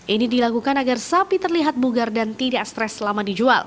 ini dilakukan agar sapi terlihat bugar dan tidak stres selama dijual